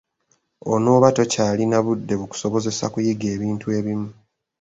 Onooba tokyalina budde bukusobozesa kuyiga ebintu ebimu.